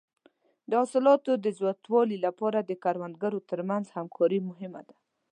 د حاصل د زیاتوالي لپاره د کروندګرو تر منځ همکاري مهمه ده.